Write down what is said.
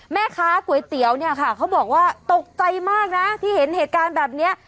แม่ค้าก๋วยเตี๋ยวเนี่ยค่ะเขาบอกว่าตกใจมากนะที่เห็นเหตุการณ์แบบนี้